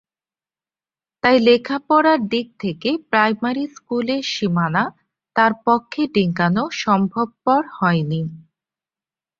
তাই লেখাপড়ার দিক থেকে প্রাইমারি স্কুলের সীমানা তাঁর পক্ষে ডিঙানো সম্ভবপর হয়নি।